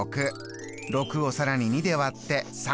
６を更に２で割って３。